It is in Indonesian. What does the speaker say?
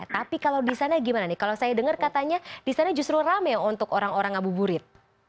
tapi kalau di sana gimana nih kalau saya dengar katanya di sana justru rame untuk orang orang ngabuburit